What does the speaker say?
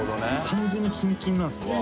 完全にキンキンなんですね。